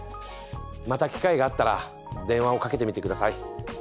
また機会があったら電話をかけてみて下さい。